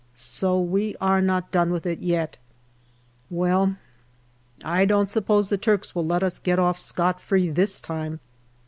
So we are not done with it yet. Well, I don't suppose the Turks will let us get off scot free this time.